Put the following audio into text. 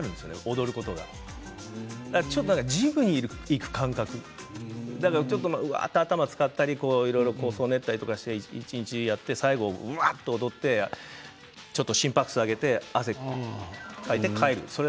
踊りとかがジムに行く感覚で頭を使ったりいろいろ練ったりして一日やって最後、踊って心拍数を上げて汗をかいて帰る。